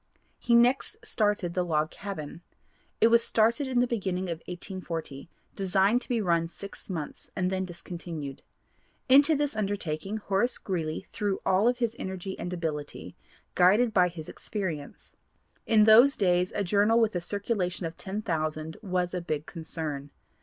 He next started the Log Cabin. It was started in the beginning of 1840, designed to be run six months and then discontinued. Into this undertaking Horace Greeley threw all his energy and ability, guided by his experience. In those days a journal with a circulation of ten thousand was a big concern.